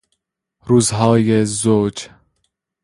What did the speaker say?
روزهای زوج